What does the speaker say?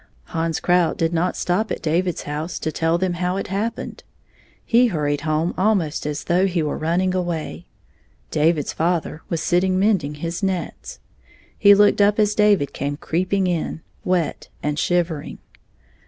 Hans Krout did not stop at David's house to tell them how it happened. He hurried home al most as though he were running away. David's father was sitting mending his nets. He looked up as David came creeping in, wet and shivering.